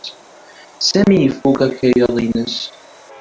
Sami ifuk akayad-nnes.